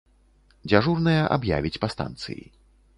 Дзяжурная аб'явіць па станцыі.